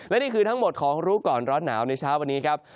และนี่คือทั้งหมดของรู้ก่อนร้อนหนาวในเช้าวันนี้ครับ